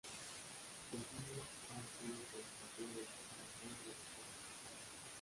Los niños han ido con Platero al arroyo de los chopos